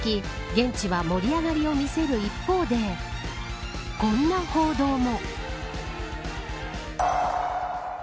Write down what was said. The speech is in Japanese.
現地は盛り上がりを見せる一方でこんな報道も。